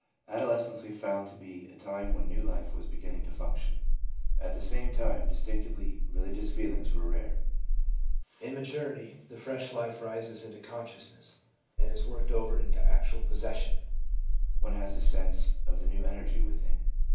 Adolescence we found to be a time when new life was beginning to function. At the same time distinctively religious feelings were rare. In maturity the fresh life rises into consciousness, and is worked over into an actual possession ; one has a sense of the new energy within.